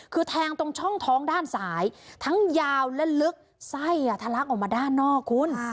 คือแทงตรงช่องท้องด้านซ้ายทั้งยาวและลึกไส้ทะลักออกมาด้านนอกคุณ